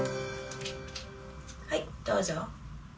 はいどうぞ。